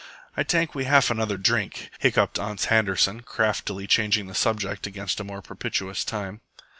"Ay tank we haf another drink," hiccoughed Ans Handerson, craftily changing the subject against a more propitious time.